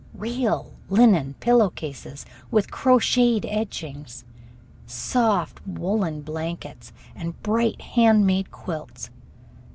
Real linen pillowcases with crocheted edgings. Soft woolen blankets and bright handmade quilts.